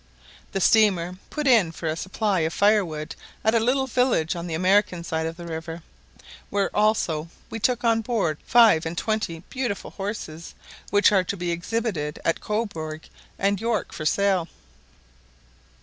The steamer put in for a supply of fire wood at a little village on the American side the river, where also we took on board five and twenty beautiful horses, which are to be exhibited at Cobourg and York for sale.